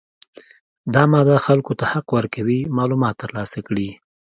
دا ماده خلکو ته حق ورکوي معلومات ترلاسه کړي.